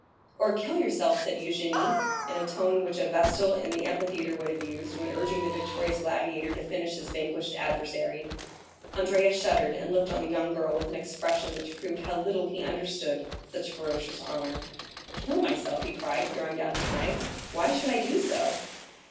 "Or kill yourself!" said Eugénie (in a tone which a Vestal in the amphitheatre would have used, when urging the victorious gladiator to finish his vanquished adversary). Andrea shuddered, and looked on the young girl with an expression which proved how little he understood such ferocious honor. "Kill myself?" he cried, throwing down his knife; "why should I do so?"